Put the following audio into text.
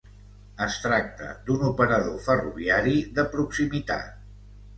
Es tracta d'un operador ferroviari de proximitat.